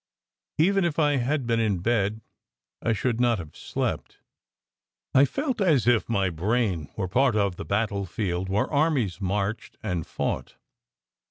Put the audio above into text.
Even if I had been in bed I should not have slept. I felt as if my brain were part of the battlefield where armies marched and fought.